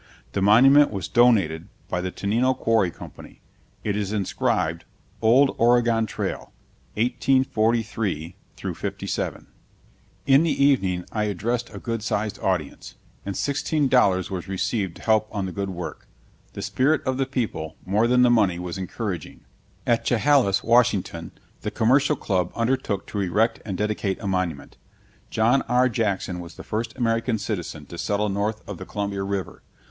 The monument was donated by the Tenino Quarry Company; it is inscribed "Old Oregon Trail: 1843 57." [Illustration: Brown Bros. A prosperous fruit farm along the trail.] In the evening I addressed a good sized audience, and sixteen dollars was received to help on the good work. The spirit of the people, more than the money, was encouraging. At Chehalis, Washington, the Commercial Club undertook to erect and dedicate a monument. John R. Jackson was the first American citizen to settle north of the Columbia River.